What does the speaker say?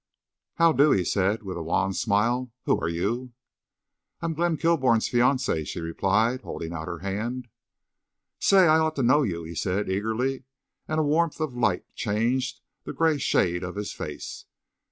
"How do!" he said, with a wan smile. "Who're you?" "I'm Glenn Kilbourne's fiancée," she replied, holding out her hand. "Say, I ought to've known you," he said, eagerly, and a warmth of light changed the gray shade of his face.